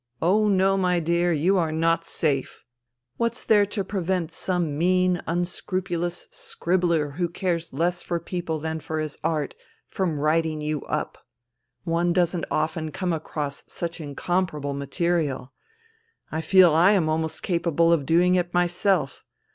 Oh, no, my dear, you are not safe. What's there to prevent some mean, unscrupulous scribbler who cares less for people than for his art, from writing you up ? One doesn't often come across such incomparable material. I feel I am almost capable of doing it myself.